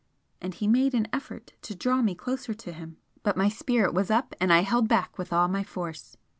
And he made an effort to draw me closer to him but my spirit was up and I held back with all my force.